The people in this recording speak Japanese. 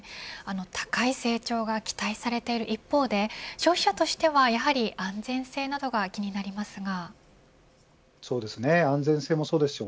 高い成長が期待されている一方で消費者としては、やはり安全性などが気になりますがそうですね。